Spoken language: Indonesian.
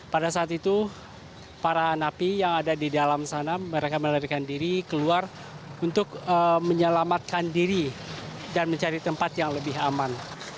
pada saat itu para napi yang ada di dalam sana mereka melarikan diri keluar untuk menyelamatkan diri dan mencari tempat yang lebih aman